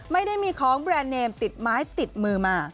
ไม่ได้มีของแบรนด์เนมติดไม้ติดมือมา